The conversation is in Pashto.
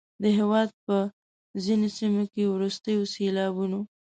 د هیواد په ځینو سیمو کې وروستیو سیلابونو